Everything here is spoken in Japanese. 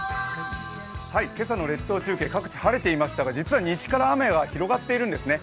今朝の列島中継、各地晴れていましたけれども実は西から雨は広がっているんですね。